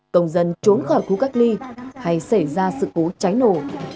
công dân trốn khỏi khu cách ly hay xảy ra sự cố cháy nổ